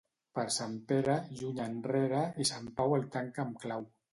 Per Sant Pere, juny enrere, i Sant Pau el tanca amb clau.